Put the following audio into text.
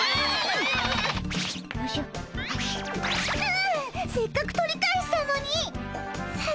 あせっかく取り返したのにっ！